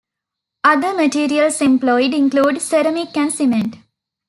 Other materials employed include ceramic and cement.